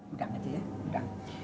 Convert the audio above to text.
udang aja ya